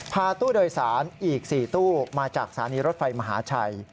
ตู้โดยสารอีก๔ตู้มาจากสถานีรถไฟมหาชัย